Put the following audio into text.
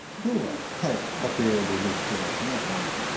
今日ははい竹でできてますね。